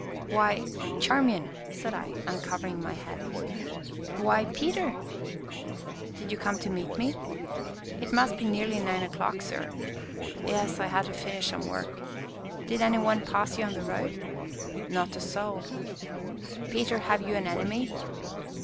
"Why Charmian!" said I, uncovering my head. "Why Peter!" "Did you come to meet me?" "It must be nearly nine o'clock, sir." "Yes, I had to finish some work." "Did any one pass you on the road?" "Not a soul." "Peter, have you an enemy?"